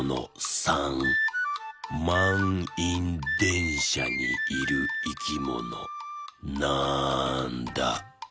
まんいんでんしゃにいるいきものなんだ？